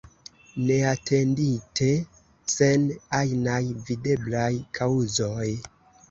Neatendite, sen ajnaj videblaj kaŭzoj.